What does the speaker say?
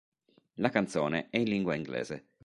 La canzone è in lingua inglese.